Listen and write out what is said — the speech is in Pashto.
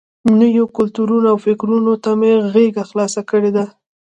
نویو کلتورونو او فکرونو ته مې غېږه خلاصه کړې ده.